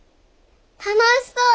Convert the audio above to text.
楽しそう！